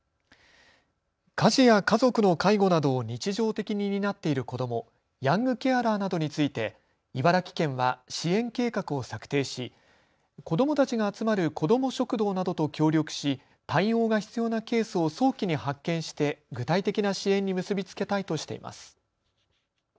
家事や家族の介護などを日常的に担っている子ども、ヤングケアラーなどについて茨城県は支援計画を策定し子どもたちが集まる子ども食堂などと協力し対応が必要なケースを早期に発見して具体的な支援に結び付けたいとしています。